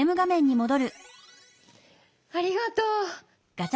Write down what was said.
ありがとう。